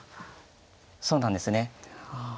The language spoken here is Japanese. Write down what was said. そうなんですねああ。